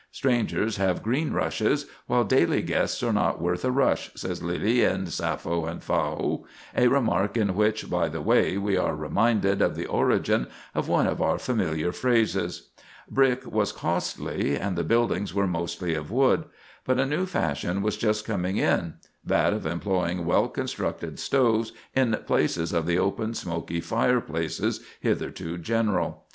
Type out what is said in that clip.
"Strangers have green rushes, while daily guests are not worth a rush," says Lyly, in "Sapho and Phao"—a remark in which, by the way, we are reminded of the origin of one of our familiar phrases. Brick was costly, and the buildings were mostly of wood; but a new fashion was just coming in—that of employing well constructed stoves in place of the open, smoky fireplaces hitherto general.